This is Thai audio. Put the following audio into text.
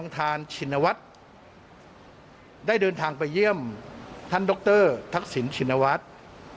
ท่านดรทักศิลป์ชินวัฒน์